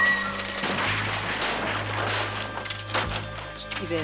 吉兵衛